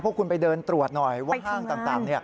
พวกคุณไปเดินตรวจหน่อยว่าห้างต่าง